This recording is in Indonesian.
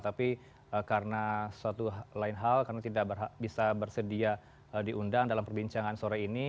tapi karena suatu lain hal karena tidak bisa bersedia diundang dalam perbincangan sore ini